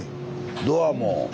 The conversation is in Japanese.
ドアも。